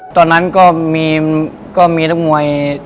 ตอนนั้นก็มีนักมวย